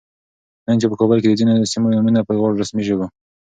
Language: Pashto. نن چې په کابل کې د ځینو سیمو نومونه په دواړو رسمي ژبو